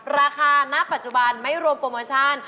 ณปัจจุบันไม่รวมโปรโมชั่น